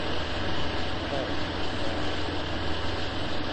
Ǩai, ǩai.